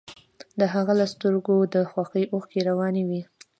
د هغه له سترګو د خوښۍ اوښکې روانې وې